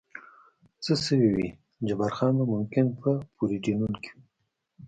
څه شوي وي، جبار خان به ممکن په پورډینون کې و.